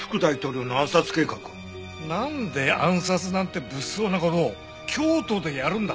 なんで暗殺なんて物騒な事を京都でやるんだ！